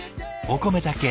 お米だけ。